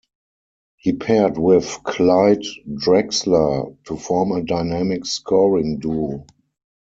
He paired with Clyde Drexler to form a dynamic scoring duo.